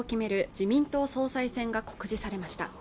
自民党総裁選が告示されました